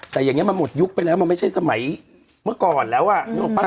แต่อย่างนี้มันหมดยุคไปแล้วมันไม่ใช่สมัยเมื่อก่อนแล้วอ่ะนึกออกป่